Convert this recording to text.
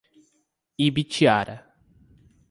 Ibitiara